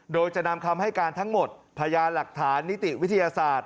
โดยจะนำคำให้การทั้งหมดพยานหลักฐานนิติวิทยาศาสตร์